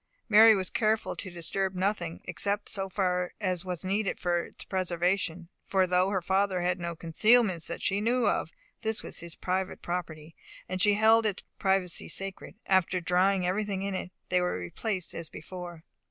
Mary was careful to disturb nothing, except so far as was needful for its preservation; for, though her father had no concealments that she knew of, this was his private property, and she held its privacy sacred. After drying everything in it, they were replaced as before.